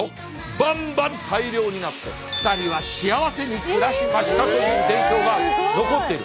バンバン大漁になって２人は幸せに暮らしましたという伝承が残ってる。